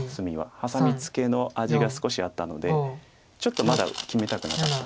ハサミツケの味が少しあったのでちょっとまだ決めたくなかった。